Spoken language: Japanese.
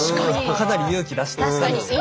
かなり勇気出して言ったんですよ。